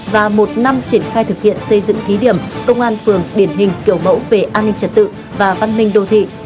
và một năm triển khai thực hiện xây dựng thí điểm công an phường điển hình kiểu mẫu về an ninh trật tự và văn minh đô thị